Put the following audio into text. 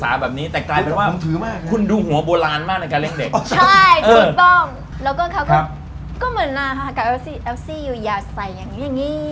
อัลซี่อย่าใส่อย่างนี้ไม่ได้นะ